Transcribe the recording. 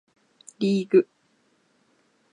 リーグ